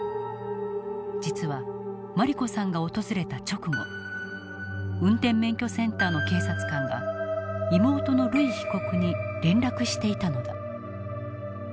実は茉莉子さんが訪れた直後運転免許センターの警察官が妹の瑠衣被告に連絡していたのだ。